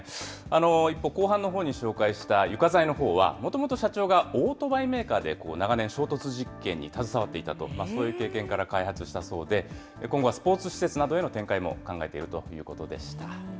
一方、後半のほうに紹介した床材のほうは、もともと社長がオートバイメーカーで長年、衝突実験に携わっていたと、そういう経験から開発したそうで、今後はスポーツ施設などへの展開も考えているということでした。